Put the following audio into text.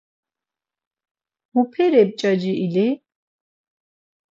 Muperi mç̌aci ili?